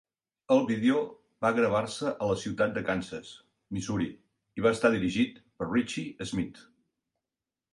El vídeo va gravar-se a la ciutat de Kansas, Missouri, i va estar dirigit per Richie Smyth.